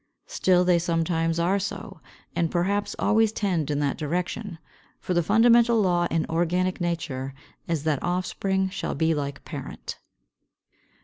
Still they sometimes are so, and perhaps always tend in that direction. For the fundamental law in organic nature is that offspring shall be like parent.